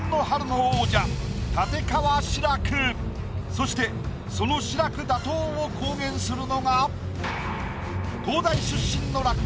そしてその志らく打倒を公言するのが。